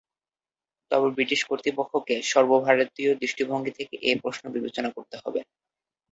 তবে ব্রিটিশ কর্তৃপক্ষকে সর্বভারতীয় দৃষ্টিভঙ্গি থেকে এ প্রশ্ন বিবেচনা করতে হবে।